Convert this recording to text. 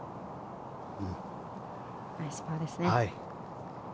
ナイスパーですね。